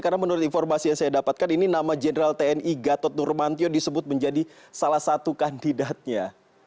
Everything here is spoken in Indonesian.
karena menurut informasi yang saya dapatkan ini nama jenderal tni gatot nurmantio disebut menjadi salah satu kandidatnya